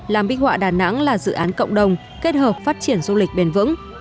làm bích họa đà nẵng là dự án cộng đồng kết hợp phát triển du lịch bền vững